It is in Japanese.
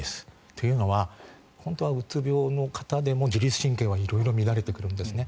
というのは、本当はうつ病の方でも自律神経は色々乱れてくるんですね。